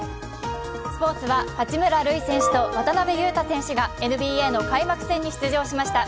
スポーツは八村塁選手と渡邊雄太選手がＮＢＡの開幕戦に出場しました。